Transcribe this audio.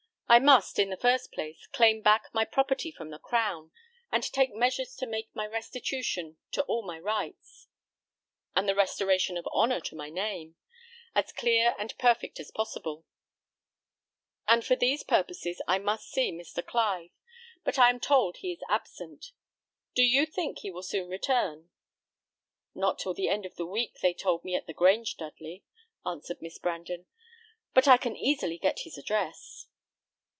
I must, in the first place, claim back my property from the crown, and take measures to make my restitution to all my rights, and the restoration of honour to my name, as clear and perfect as possible; and for these purposes I must see Mr. Clive. But I am told he is absent. Do you think he will soon return?" "Not till the end of the week they told me at the Grange, Dudley," answered Miss Brandon; "but I can easily get his address."